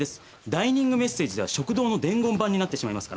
「ダイニングメッセージ」では「食堂の伝言板」になってしまいますから。